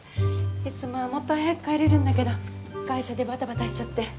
いつもはもっと早く帰れるんだけど会社でバタバタしちゃって。